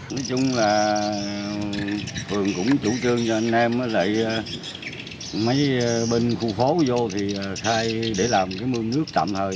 nói chung là phường cũng chủ trương cho anh em lại mấy bên khu phố vô thì sai để làm cái mương nước tạm thời